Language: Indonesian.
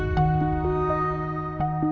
bukan akan kena